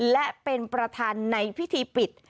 และเป็นประธานในพิธีปิด